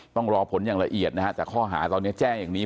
ต้องรอผลอย่างละเอียดนะฮะแต่ข้อหาตอนนี้แจ้งอย่างนี้